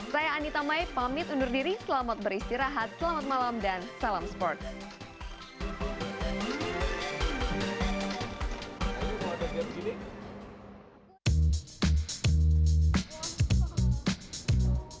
saya anita mai pamit undur diri selamat beristirahat selamat malam dan salam sports